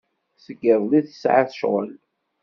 Seg yiḍelli ay tesɛa ccɣel.